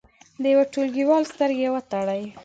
د یو ټولګیوال سترګې وتړئ.